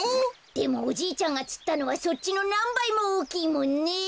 でもおじいちゃんがつったのはそっちのなんばいもおおきいもんね！